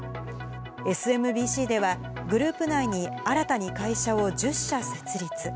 ＳＭＢＣでは、グループ内に新たに会社を１０社設立。